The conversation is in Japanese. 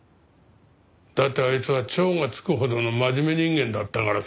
だってあいつは超が付くほどの真面目人間だったからさ。